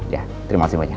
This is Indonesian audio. ya terima kasih banyak